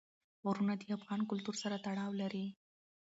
غرونه د افغان کلتور سره تړاو لري.